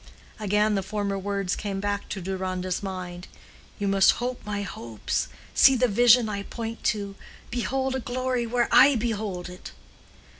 Again the former words came back to Deronda's mind,—"You must hope my hopes—see the vision I point to—behold a glory where I behold it."